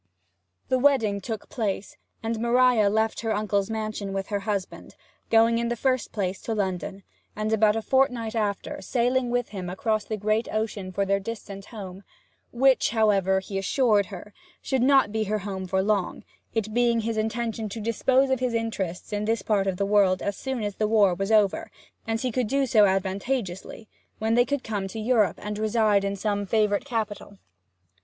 The wedding took place, and Maria left her uncle's mansion with her husband, going in the first place to London, and about a fortnight after sailing with him across the great ocean for their distant home which, however, he assured her, should not be her home for long, it being his intention to dispose of his interests in this part of the world as soon as the war was over, and he could do so advantageously; when they could come to Europe, and reside in some favourite capital.